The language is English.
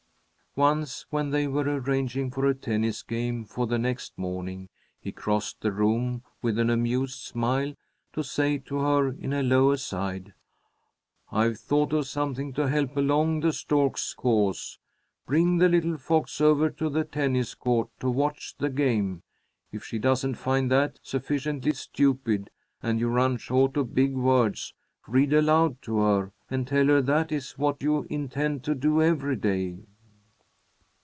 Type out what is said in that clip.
Once when they were arranging for a tennis game for the next morning, he crossed the room with an amused smile, to say to her in a low aside: "I've thought of something to help along the stork's cause. Bring the little fox over to the tennis court to watch the game. If she doesn't find that sufficiently stupid, and you run short of big words, read aloud to her, and tell her that is what you intend to do every day."